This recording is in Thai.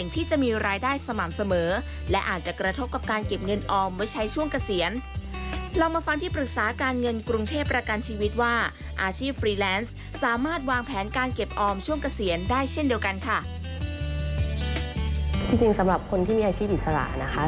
จริงสำหรับคนที่มีอาชีพอิสระนะคะ